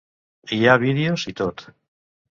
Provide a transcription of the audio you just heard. Hi ha vídeos i tot.